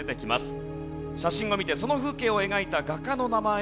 写真を見てその風景を描いた画家の名前をお答えください。